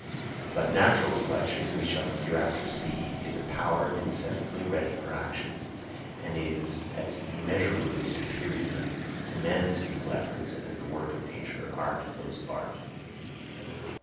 But Natural Selection, we shall hereafter see, is a power incessantly ready for action, and is as immeasurably superior to man's feeble efforts, as the works of Nature are to those of Art.